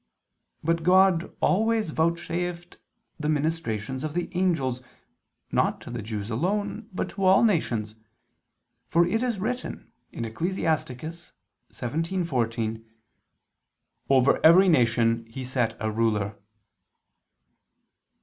But God always vouchsafed the ministrations of the angels not to the Jews alone, but to all nations: for it is written (Ecclus. 17:14): "Over every nation He set a ruler."